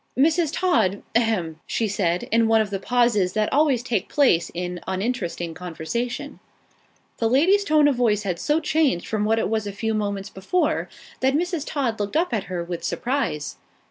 "Mrs. Todd a hem!" she said in one of the pauses that always take place in uninteresting conversation. The lady's tone of voice had so changed from what it was a few moments before, that Mrs. Todd looked up at her with surprise.